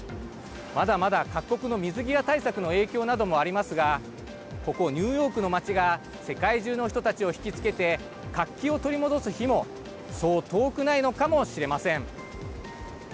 まだまだ、各国の水際対策の影響などもありますがここ、ニューヨークの街が世界中の人たちを引きつけて活気を取り戻す日もそう遠くないのかもしれません。